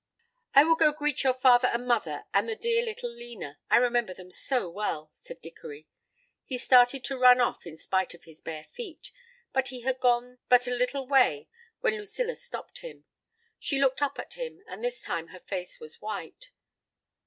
"I will go meet your father and mother and the dear little Lena; I remember them so well," said Dickory. He started to run off in spite of his bare feet, but he had gone but a little way when Lucilla stopped him. She looked up at him, and this time her face was white.